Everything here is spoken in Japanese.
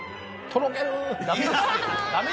とろけるー。